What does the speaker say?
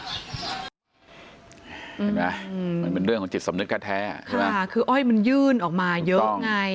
เห็นไหมมันเป็นเรื่องของจิตสำนึกแท้ใช่ไหมคืออ้อยมันยื่นออกมาเยอะไง